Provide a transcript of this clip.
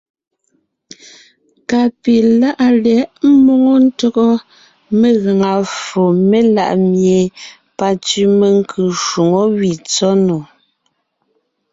Ka pi láʼa lyɛ̌ʼ ḿmoŋo ntÿɔgɔ megaŋa ffo melaʼ mie pantsẅi menkʉ́ shwoŋó gẅí tsɔ́ nò.